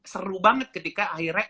seru banget ketika akhirnya